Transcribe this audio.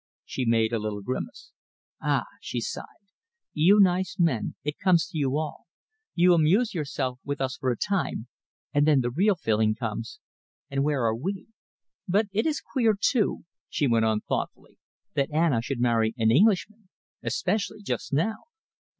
She made a little grimace. "Ah!" she sighed, "you nice men, it comes to you all. You amuse yourselves with us for a time, and then the real feeling comes, and where are we? But it is queer, too," she went on thoughtfully, "that Anna should marry an Englishman, especially just now."